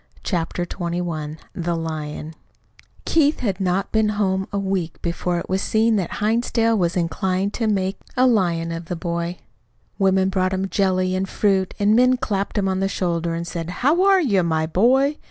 CHAPTER XXI THE LION Keith had not been home a week before it was seen that Hinsdale was inclined to make a lion of the boy. Women brought him jelly and fruit, and men clapped him on the shoulder and said, "How are you, my boy?"